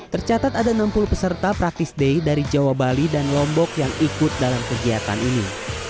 tercatat ada enam puluh peserta praktis day dari jawa bali dan lombok yang ikut dalam kegiatan ini